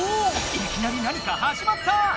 いきなり何かはじまった！